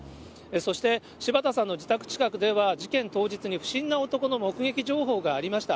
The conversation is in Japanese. そして、柴田さんの自宅近くでは、事件当日に不審な男の目撃情報がありました。